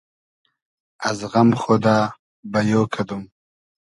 از غئم خودۂ بئیۉ کئدوم